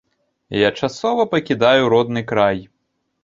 Я часова пакідаю родны край.